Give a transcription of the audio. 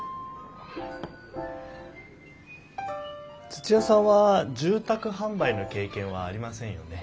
土屋さんは住宅販売の経験はありませんよね。